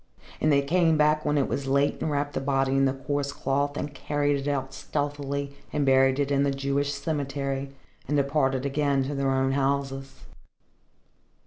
And they came back when it was late and wrapped the body in the coarse cloth and carried it out stealthily and buried it in the Jewish cemetery, and departed again to their own houses.